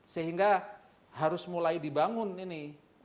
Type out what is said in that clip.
sehingga harus mulai dibangun ini